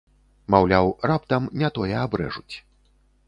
Маўляў, раптам не тое абрэжуць.